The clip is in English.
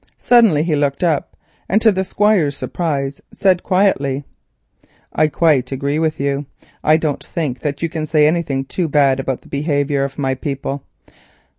Suddenly he looked up and to the Squire's surprise said quietly: "I quite agree with you. I don't think that you can say anything too bad about the behaviour of my people.